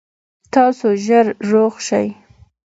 تاسو ژر روغ شئ